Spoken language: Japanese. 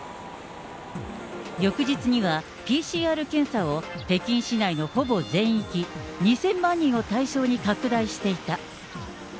翌日にはＰＣＲ検査を北京市内のほぼ全域、２０００万人を対象に拡大していた。